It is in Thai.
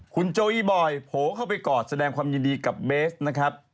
คุณโจอีบอยโผล่เข้าไปกอดแสดงความยินดีกับเบสนะครับ